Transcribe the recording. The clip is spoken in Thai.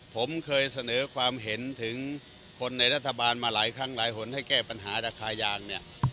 ผมเคยเสนอความเห็นถึงคนในรัฐบาลมาหลายครั้งหลายหนให้แก้ปัญหาราคายางเนี่ย